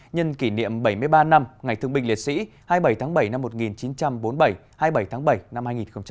nhân kỷ niệm bảy mươi ba năm ngày thương binh liệt sĩ hai mươi bảy tháng bảy năm một nghìn chín trăm bốn mươi bảy hai mươi bảy tháng bảy năm hai nghìn hai mươi